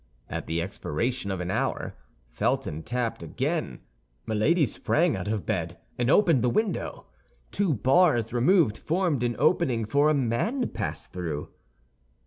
At the expiration of an hour, Felton tapped again. Milady sprang out of bed and opened the window. Two bars removed formed an opening for a man to pass through.